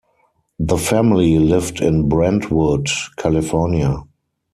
The family lived in Brentwood, California.